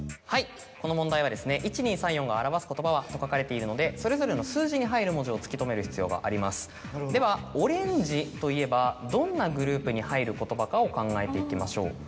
はいこの問題は「１２３４が表す言葉は？」と書かれているのでそれぞれの数字に入る文字を突き止める必要がありますではオレンジといえばどんなグループに入る言葉かを考えていきましょう。